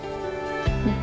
うん。